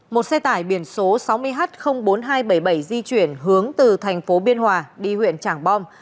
một xe tải biển số sáu mươi h bốn nghìn hai trăm bảy mươi bảy di chuyển hướng từ thành phố biên hòa đi huyện trảng bom